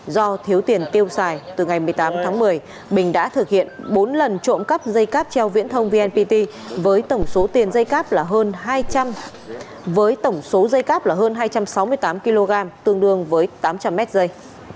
do thiếu tiền tiêu xài từ ngày một mươi tám tháng một mươi bình đã thực hiện bốn lần trộm cắp dây cáp treo viễn thông vnpt với tổng số tiền dây cáp là hơn hai trăm sáu mươi tám kg tương đương với tám trăm linh m dây